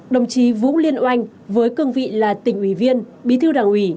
đồng chí vũ liên oanh với cương vị là tỉnh ủy viên bí thư đảng ủy